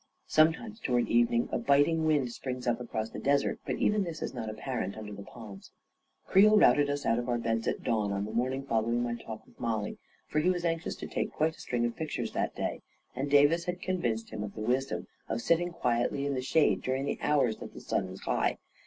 Sometimes, toward eve ning, a biting wind springs up across the desert, but even this is not apparent under the palms. Creel routed us out of our beds at dawn on the morning following my talk with Mollie, for he was anxious to take quite a string of pictures that day, and Davis had convinced him of the wisdom of sit ting quietly in the shade during the hours that the sun was high.